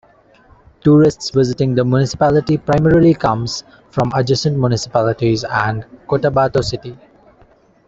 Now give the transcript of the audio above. Tourists visiting the municipality primarily comes from adjacent municipalities and Cotabato City.